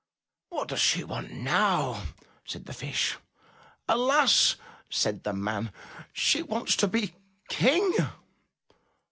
What does she want now?" said the Fish. *'Alas," said the man, she wants to be King."